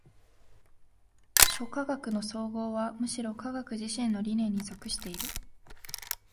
諸科学の綜合はむしろ科学自身の理念に属している。